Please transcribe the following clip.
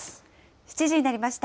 ７時になりました。